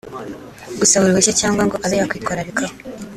gusaba uruhushya cyangwa ngo abe yakwitwararikaho